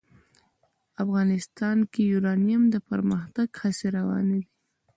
افغانستان کې د یورانیم د پرمختګ هڅې روانې دي.